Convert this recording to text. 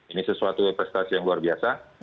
ini sesuatu prestasi yang luar biasa